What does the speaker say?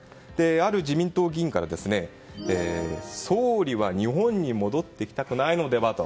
ある自民党議員から総理は日本に戻ってきたくないのではと。